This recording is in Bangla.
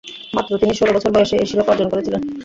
মাত্র তিনি ষোল বছর বয়সে এই শিরোপা অর্জন করেছিলেন।